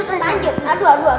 aduh aduh aduh